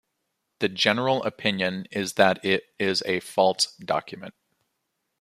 The general opinion is that it is a false document.